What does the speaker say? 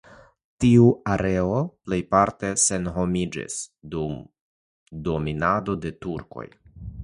Tiu areo plejparte senhomiĝis dum dominado de turkoj.